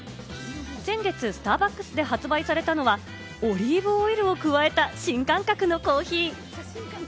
先月スターバックスで発売されたのは、オリーブオイルを加えた、新感覚のコーヒー。